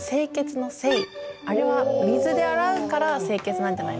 あとあれは水で洗うから清潔なんじゃないんですか？